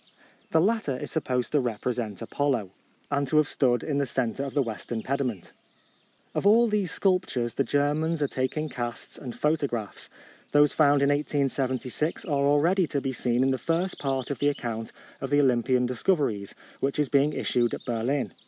The latter is supposed to represent Apollo, and to have stood in the centre of the western pediment. Of all these sculptures the Ger mans are taking casts and photo graphs. Those found in 1876 are already to be seen in the first part of the account of the Olympian dis coveries, which is being issued at Berlin.